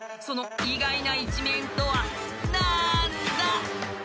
［その意外な一面とはなんだ？］